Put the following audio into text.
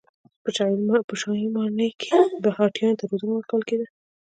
په شاهي ماڼۍ کې به هاتیانو ته روزنه ورکول کېده.